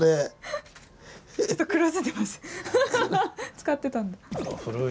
使ってたんだ。